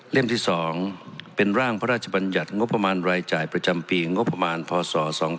ที่๒เป็นร่างพระราชบัญญัติงบประมาณรายจ่ายประจำปีงบประมาณพศ๒๕๖